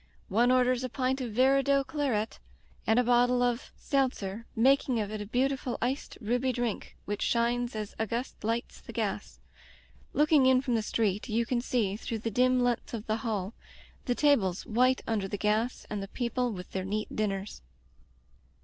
One orders a pint of Viardot claret and a bottle of Digitized by LjOOQ IC A Tempered Wind seltzer, making of it a beautiful iced ruby drink which shines as Auguste lights the gas. Looking in from the street you can see, through the dim length of the hall, the tables white under the gas, and the people with their neat dinners.